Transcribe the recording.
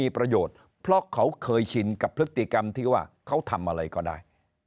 ประโยชน์เพราะเขาเคยชินกับพฤติกรรมที่ว่าเขาทำอะไรก็ได้